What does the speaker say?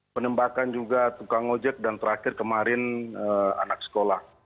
penembakan juga tukang ojek dan terakhir kemarin anak sekolah